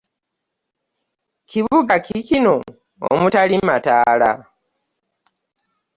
Kibuga ki kino omutali mataala?